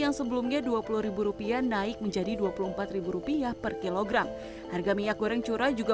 yang sebelumnya dua puluh rupiah naik menjadi dua puluh empat rupiah per kilogram harga minyak goreng curah juga